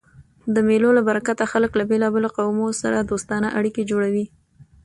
د مېلو له برکته خلک له بېلابېلو قومو سره دوستانه اړیکي جوړوي.